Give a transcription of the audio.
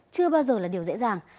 chưa bao giờ là điều dễ dàng